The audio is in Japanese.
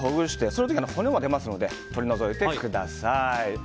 その時、骨が出ますので取り除いてください。